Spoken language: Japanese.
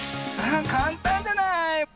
あかんたんじゃない。